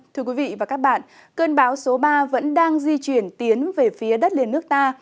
thưa quý vị và các bạn cơn bão số ba vẫn đang di chuyển tiến về phía đất liền nước ta